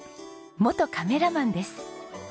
元カメラマンです。